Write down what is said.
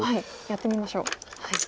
やってみましょう。